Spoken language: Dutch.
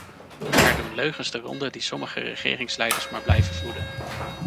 Er doen leugens de ronde die sommige regeringsleiders maar blijven voeden.